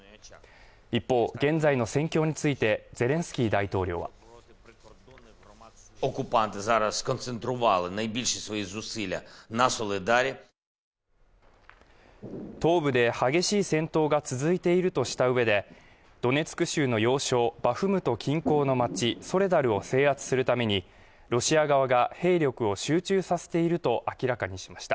一方現在の戦況についてゼレンスキー大統領は東部で激しい戦闘が続いているとしたうえでドネツク州の要衝バフムト近郊の町ソレダルを制圧するためにロシア側が兵力を集中させていると明らかにしました